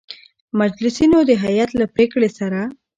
مجلسینو د هیئت له پرېکړې سـره